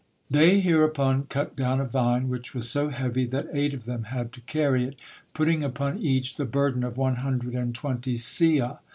They hereupon cut down a vine, which was so heavy that eight of them had to carry it, putting upon each the burden of one hundred and twenty seah.